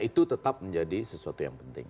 itu tetap menjadi sesuatu yang penting